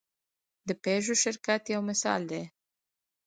د پيژو شرکت یو مثال دی.